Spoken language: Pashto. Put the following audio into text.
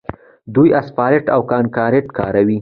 دوی اسفالټ او کانکریټ کاروي.